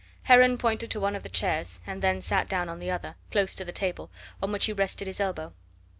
Heron pointed to one of the chairs, and then sat down on the other, close to the table, on which he rested his elbow.